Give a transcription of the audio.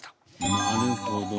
なるほどね。